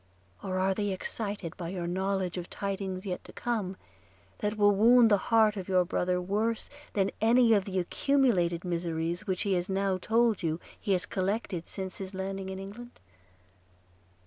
or are they excited by your knowledge of tidings yet to come, that will wound the heart of your brother worse than any of the accumulated miseries which he has told you he has collected since his landing in England?